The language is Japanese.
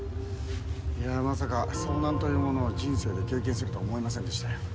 いやまさか遭難というものを人生で経験するとは思いませんでしたよ。